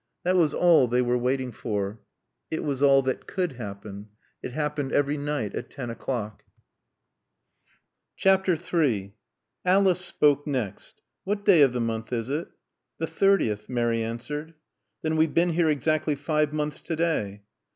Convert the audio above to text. That was all they were waiting for. It was all that could happen. It happened every night at ten o'clock. III Alice spoke next. "What day of the month is it?" "The thirtieth." Mary answered. "Then we've been here exactly five months to day."